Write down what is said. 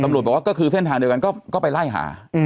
ตำรวจบอกว่าก็คือเส้นทางเดียวกันก็ไปไล่หาอืม